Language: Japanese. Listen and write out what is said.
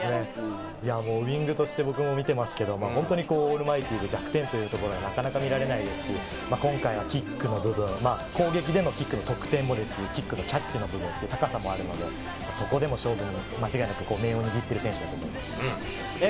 ウイングとして僕も見ていますけれど、本当にオールマイティーで弱点がなかなか見られないですし、キックの部分、攻撃でのキックの得点もいいし、キャッチ、高さもあるので、そこでも勝負に間違いなく面を握っている選手だと思います。